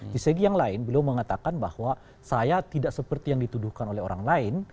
di segi yang lain beliau mengatakan bahwa saya tidak seperti yang dituduhkan oleh orang lain